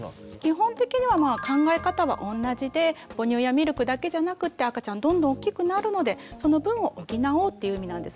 基本的には考え方は同じで母乳やミルクだけじゃなくって赤ちゃんどんどん大きくなるのでその分を補おうっていう意味なんです。